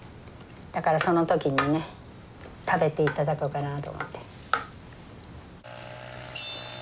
だからその時にね食べていただこうかなと思って。